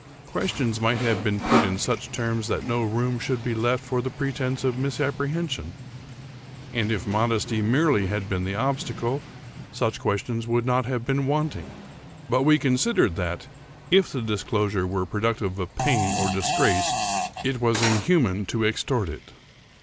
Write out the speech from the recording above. Questions might have been put in such terms that no room should be left for the pretense of misapprehension ; and, if modesty merely had been the obstacle, such questions would not have been wanting; but we considered that, if the disclosure were productive of pain or disgrace, it was inhuman to ex tort it.